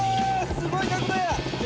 すごい角度や！